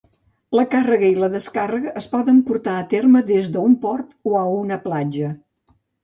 La càrrega i la descàrrega es poden portar a terme des d"un port o a una platja.